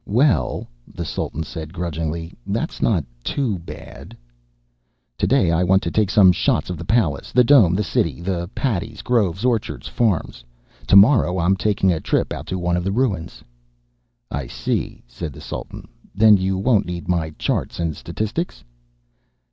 "Well," the Sultan said grudgingly, "that's not too bad." "Today I want to take some shots of the palace, the dome, the city, the paddies, groves, orchards, farms. Tomorrow I'm taking a trip out to one of the ruins." "I see," said the Sultan. "Then you won't need my charts and statistics?"